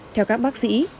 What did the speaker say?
theo các bác sĩ